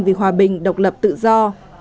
vì hòa bình độc lập tự do